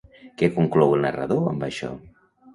Què conclou el narrador amb això?